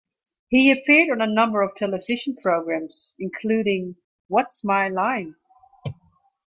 He appeared on a number of television programs, including What's My Line?